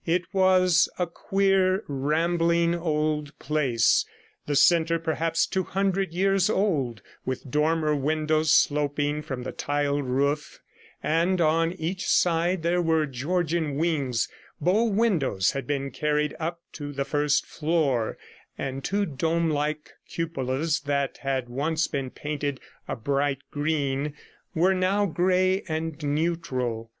It was a queer, rambling old place, the centre perhaps two hundred years old, with dormer windows sloping from the tiled roof, and on each side there were Georgian wings; bow windows had been carried up to the first floor, and two dome like cupolas that had once been painted a bright green were now grey and neutral.